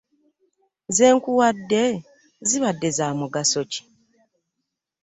Ze nkuwadde zibadde za mugaso ki?